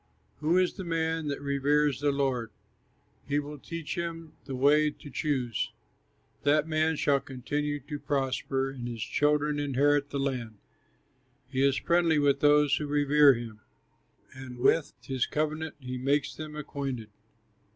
Who is the man that reveres the Lord? He will teach him the way to choose. That man shall continue to prosper, And his children inherit the land. He is friendly with those who revere him, And with his covenant he makes them acquainted.